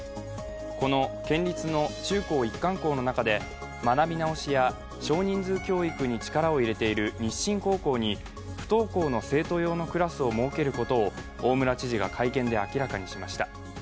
この県立の中高一貫校の中で学び直しや少人数教育に力を入れている日進高校に不登校の生徒用のクラスを設けることを大村知事が会見で明らかにしました。